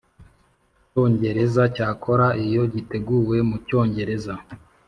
Cyongereza cyakora iyo giteguwe mu cyongereza